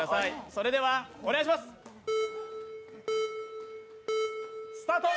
それでは、お願いします！スタート！